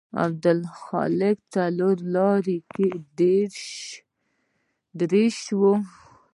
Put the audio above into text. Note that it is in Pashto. عبدالحق څلور لارې کې ډیر رش و.